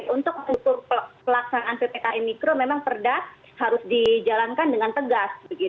untuk pelaksanaan ppkm mikro memang perda harus dijalankan dengan tegas